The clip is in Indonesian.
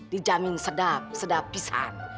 dijamin sedap sedap pisan